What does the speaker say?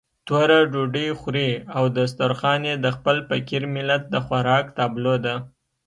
توره ډوډۍ خوري او دسترخوان يې د خپل فقير ملت د خوراک تابلو ده.